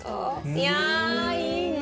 いやいいな。